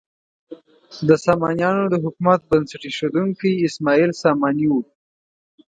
د سامانیانو د حکومت بنسټ ایښودونکی اسماعیل ساماني و.